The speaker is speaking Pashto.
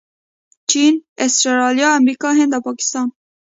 چین، اسټرلیا، امریکا، هند او پاکستان